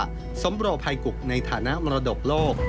ว่าสมโปรไพรกุกในฐานะมรดกโลก